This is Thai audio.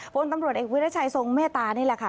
พตเอกวิทยาชายสงแม่ตานี่แหละค่ะ